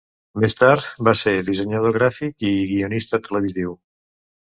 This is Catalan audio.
Més tard, va ser dissenyador gràfic i guionista televisiu.